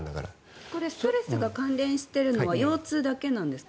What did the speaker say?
ストレスが関連しているのは腰痛だけなんですか？